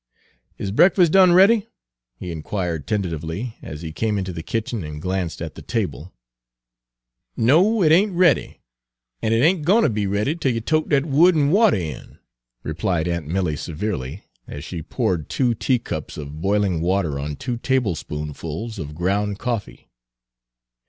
"Is breakfus' done ready?" he inquired, tentatively, as he came into the kitchen and glanced at the table. Page 209 "No, it ain't ready, an' 't ain't gwine ter be ready 'tel you tote dat wood an' water in," replied aunt Milly severely, as she poured two teacups of boiling water on two tablespoonfuls of ground coffee.